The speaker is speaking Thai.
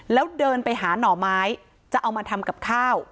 แล้วเดินไปหาหน่อไม้จะเอามาทำกับข้าว